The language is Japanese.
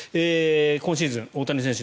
今シーズン、大谷選手